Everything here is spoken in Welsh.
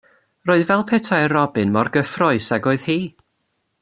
Roedd fel petai'r robin mor gyffrous ag oedd hi.